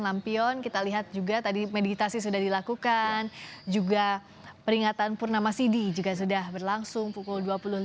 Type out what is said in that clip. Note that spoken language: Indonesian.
lampion kita lihat juga tadi meditasi sudah dilakukan juga peringatan purnama cd juga sudah berlangsung pukul dua puluh lima